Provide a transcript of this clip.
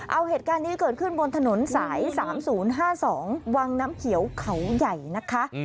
เอาเหตุการณ์นี้เกิดขึ้นบนถนนสาย๓๐๕๒วังน้ำเขียวเขาใหญ่นะคะ